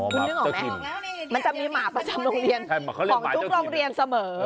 คุณนึกออกไหมมันจะมีหมาประจำโรงเรียนของทุกโรงเรียนเสมอ